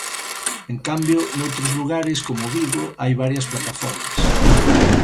En cambio, noutros lugares, como Vigo, hai varias plataformas.